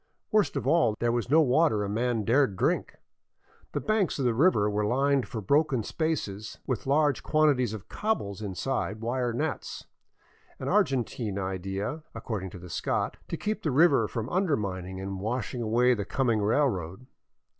Worst of all, there was no water a man dared drink. The banks of the river were lined for broken spaces with large quantities of cobbles inside wire nets — an Argentine idea, according to the Scot — to keep the river from undermining and washing away the coming railroad.